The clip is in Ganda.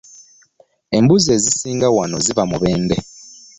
Embuzi ezisinga wano ziva Mubende.